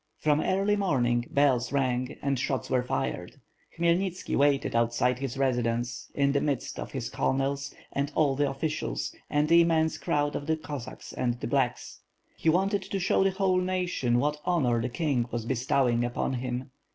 From early morning, bells rang and shots were fired. Khmyelnitski waited outside his residence, in the midst of his colonels and all the officials, and an immense crowd of Ccssacks and "blacks." He wanted to show the whole nation what honor the king was bestowing upon him.